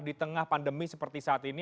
di tengah pandemi seperti saat ini